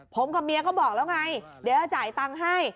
ผมกับเมียก็บอกแล้วไงเดี๋ยวจะจ่ายตังค์ให้